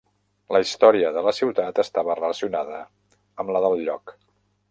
La història de la ciutat estava relacionada amb la del lloc.